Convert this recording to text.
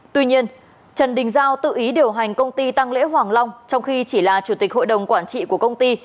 tuy nhiên trần đình giao tự ý điều hành công ty tăng lễ hoàng long trong khi chỉ là chủ tịch hội đồng quản trị của công ty